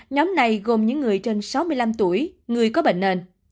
nhóm này gồm những người trên sáu mươi năm tuổi người có bệnh nền